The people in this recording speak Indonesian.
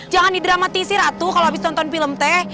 jangan didramatisi ratu kalo abis nonton film teh